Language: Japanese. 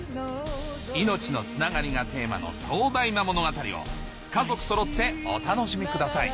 「命のつながり」がテーマの壮大な物語を家族そろってお楽しみください